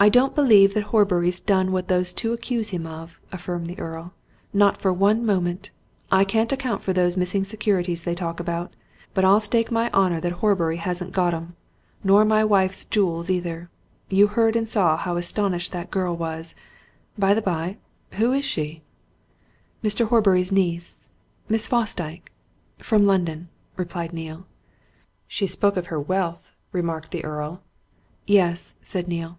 "I don't believe that Horbury's done what those two accuse him of," affirmed the Earl. "Not for one moment! I can't account for those missing securities they talk about, but I'll stake my honour that Horbury hasn't got 'em! Nor my wife's jewels either. You heard and saw how astounded that girl was. By the by who is she!" "Mr. Horbury's niece Miss Fosdyke from London," replied Neale. "She spoke of her wealth," remarked the Earl. "Yes," said Neale.